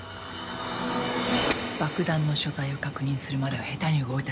爆弾の所在を確認するまでは下手に動いたら危険。